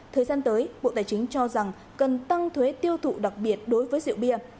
thời gian tới bộ tài chính cho rằng cần tăng thuế tiêu thụ đặc biệt đối với rượu bia